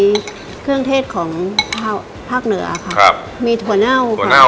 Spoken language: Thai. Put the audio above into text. ก็มีเครื่องเทศของภาคเหนือครับครับมีถั่วเน่าก่อนถั่วเน่าค่ะ